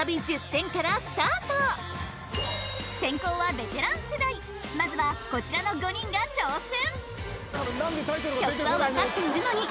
先攻はベテラン世代まずはこちらの５人が挑戦！